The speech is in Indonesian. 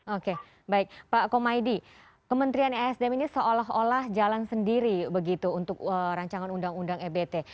oke baik pak komaydi kementerian esdm ini seolah olah jalan sendiri begitu untuk rancangan undang undang ebt